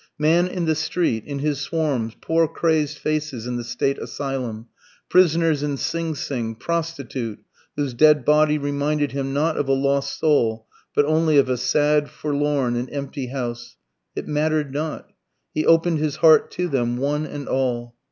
Man in the street, in his swarms, poor crazed faces in the State asylum, prisoners in Sing Sing, prostitute, whose dead body reminded him not of a lost soul, but only of a sad, forlorn, and empty house it mattered not; he opened his heart to them, one and all.